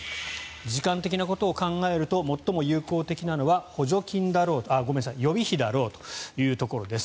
時間的なことを考えると最も有効的なのは予備費だろうというところです。